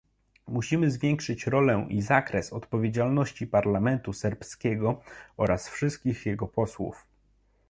Musimy zwiększyć rolę i zakres odpowiedzialności parlamentu serbskiego oraz wszystkich jego posłów